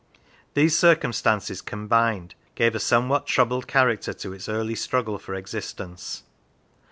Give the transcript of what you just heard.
These circumstances combined gave a somewhat troubled character to its early struggle for existence.